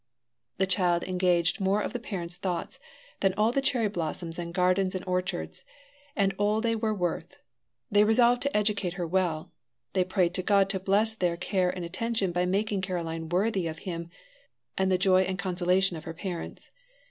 The child engaged more of the parents' thoughts than all the cherry blossoms and gardens and orchards, and all they were worth. They resolved to educate her well; they prayed to God to bless their care and attention by making Caroline worthy of him and the joy and consolation of her parents.